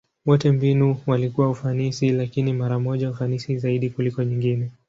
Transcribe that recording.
Wote mbinu walikuwa ufanisi, lakini mara moja ufanisi zaidi kuliko nyingine.